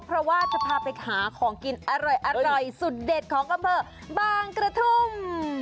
เพราะว่าจะพาไปหาของกินอร่อยสุดเด็ดของอำเภอบางกระทุ่ม